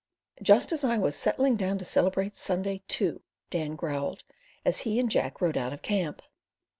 "Just as I was settling down to celebrate Sunday, too," Dan growled, as he and Jack rode out of camp.